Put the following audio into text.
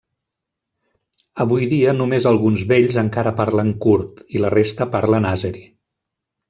Avui dia només alguns vells encara parlen kurd i la resta parlen àzeri.